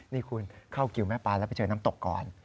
นี่คุณเข้ากิวแม่ปลาแล้วไปเจอน้ำตกก่อน